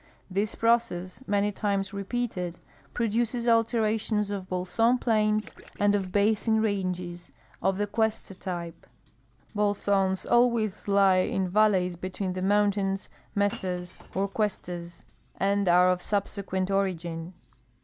This process, many times rej)eated, produces alternations of bolson plains and of basin ranges of the cuesta type. Rolsons alwa}' s lie in valleys between the mountains, mesas, or cuestas, and are of subsequent origin.